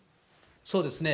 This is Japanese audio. そうですね。